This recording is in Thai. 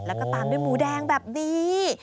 แล้วก็ตามด้วยหมูแดงแบบนี้